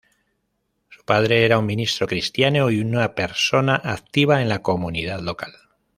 Su padre era un ministro cristiano y una persona activa en la comunidad local.